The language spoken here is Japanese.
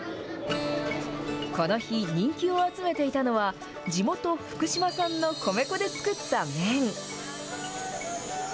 この日、人気を集めていたのは、地元、福島産の米粉で作った麺。